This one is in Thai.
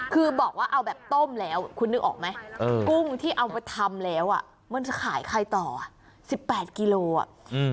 คือบอกว่าเอาแบบต้มแล้วคุณนึกออกไหมกุ้งที่เอามาทำแล้วอ่ะมันจะขายใครต่ออ่ะสิบแปดกิโลอ่ะอืม